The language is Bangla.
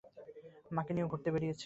মাকে নিয়ে ঘুরতেও বেরিয়েছেন।